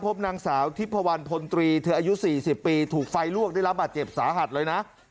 พบนางสาวทิพพวันพลตรีเธออายุ๔๐ปีถูกไฟลวกได้รับบาดเจ็บสาหัสเลยนะ